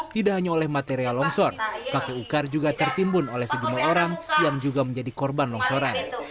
tidak hanya oleh material longsor kakek ukar juga tertimbun oleh sejumlah orang yang juga menjadi korban longsoran